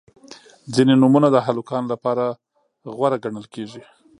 • ځینې نومونه د هلکانو لپاره غوره ګڼل کیږي.